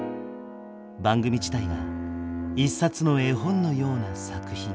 番組自体が一冊の絵本のような作品です。